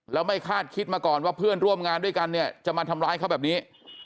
แล้วไม่คาดคิดมาก่อนว่าเพื่อนร่วมงานด้วยกันเนี่ยจะมาทำร้ายเขาแบบนี้